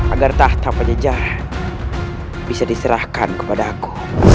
agar tak tak pejejah bisa diserahkan kepada aku